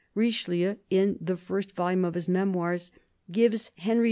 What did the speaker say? Richelieu, in the first volume of his Memoirs, gives Henry IV.'